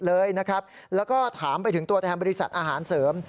แล้วก็ถามไปถึงตัวแทนบริษัทอาหารเสริม